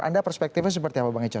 anda perspektifnya seperti apa bang eco